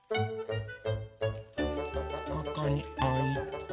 ここにおいて。